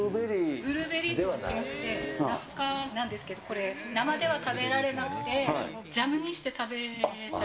ブルーベリーとちがくて、ナス科なんですけど、これ、生では食べられなくて、ジャムにして食べたり。